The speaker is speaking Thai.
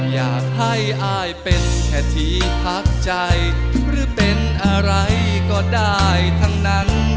อยากให้อายเป็นแค่ที่พักใจหรือเป็นอะไรก็ได้ทั้งนั้น